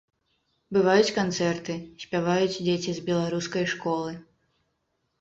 Бываюць канцэрты, спяваюць дзеці з беларускай школы.